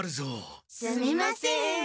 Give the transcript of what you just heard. すみません。